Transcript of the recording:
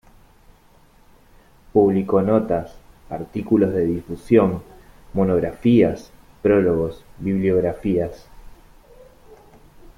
Publicó notas, artículos de difusión, monografías, prólogos, bibliografías.